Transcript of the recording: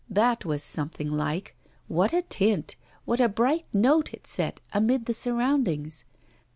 That was something like what a tint, what a bright note it set amid the surroundings!